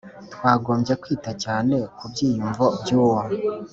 Twagombye kwita cyane ku byiyumvo by,uwo